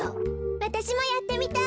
わたしもやってみたい。